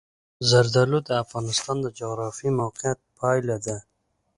زردالو د افغانستان د جغرافیایي موقیعت پایله ده.